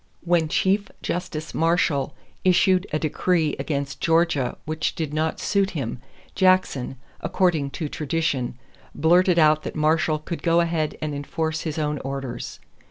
When Chief Justice Marshall issued a decree against Georgia which did not suit him, Jackson, according to tradition, blurted out that Marshall could go ahead and enforce his own orders.